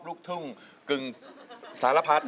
ลูกทุ่งกึ่งสารพัด